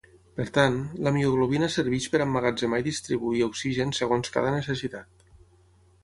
Per tant, la mioglobina serveix per emmagatzemar i distribuir oxigen segons cada necessitat.